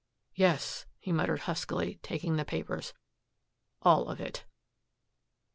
"Yes," he muttered huskily, taking the papers, "all of it."